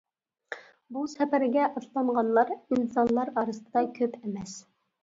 بۇ سەپەرگە ئاتلانغانلار ئىنسانلار ئارىسىدا كۆپ ئەمەس.